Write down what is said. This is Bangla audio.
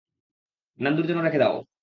নান্দুর জন্য রেখে দাও।